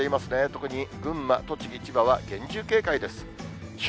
特に群馬、栃木、千葉は厳重警戒です。